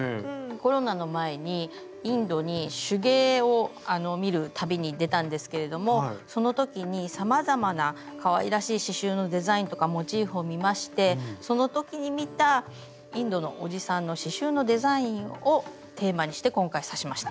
コロナの前にインドに手芸を見る旅に出たんですけれどもその時にさまざまなかわいらしい刺しゅうのデザインとかモチーフを見ましてその時に見たインドのおじさんの刺しゅうのデザインをテーマにして今回刺しました。